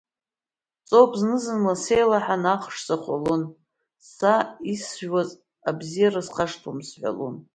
Ҵоуп зны-зынла сеилаҳан ахш сахәалон, са исзыжәуаз абзиара схашҭуам сҳәалон!